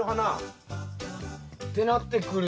てなってくると。